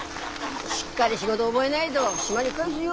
しっかり仕事覚えないと島に帰すよ。